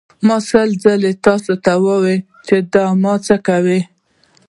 ما سل ځله تاسې ته ویلي چې دا مه څکوئ.